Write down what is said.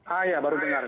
ah ya baru dengar